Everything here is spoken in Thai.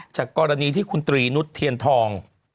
จากกรณีที่คุณตรีนุษย์เทียนทอง